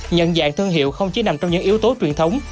nhận dạng thương hiệu không chỉ nằm trong những yếu tố truyền thống